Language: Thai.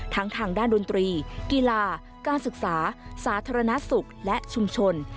ทางด้านดนตรีกีฬาการศึกษาสาธารณสุขและชุมชน